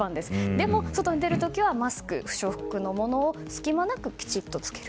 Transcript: でも、外に出るときはマスク不職布のものを隙間なく着ける。